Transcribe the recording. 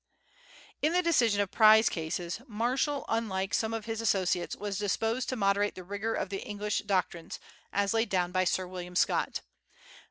In the decision of prize cases, Marshall, unlike some of his associates, was disposed to moderate the rigor of the English doctrines, as laid down by Sir William Scott.